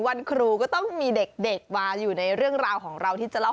วันครูก็ต้องมีเด็กมาอยู่ในเรื่องราวของเราที่จะเล่า